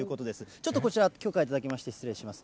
ちょっとこちら、許可を頂きまして、失礼します。